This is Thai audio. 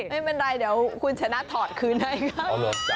ไม่เป็นไรเดี๋ยวคุณฉันนัดถอดคืนให้ครับ